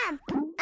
あ。